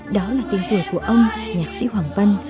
đó là tên tuổi của ông nhạc sĩ hoàng vân